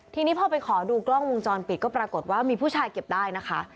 ทีนี้พอไปขอดูกล้องวงจรปิดก็ปรากฏว่ามีผู้ชายเก็บได้นะคะ